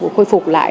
khôi phục lại